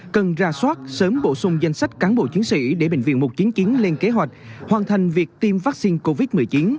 cần ra soát sớm bổ sung danh sách cán bộ chiến sĩ để bệnh viện mục kiến kiến lên kế hoạch hoàn thành việc tiêm vaccine covid một mươi chín